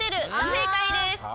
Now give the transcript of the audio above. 正解です。